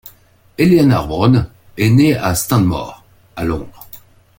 Eleanor Bron est née à Stanmore, à Londres.